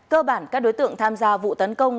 cơ bản các đối tượng tham gia vụ tấn công